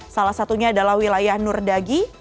salah satunya adalah wilayah nurdagi